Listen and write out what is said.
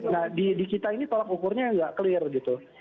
nah di kita ini tolak ukurnya nggak clear gitu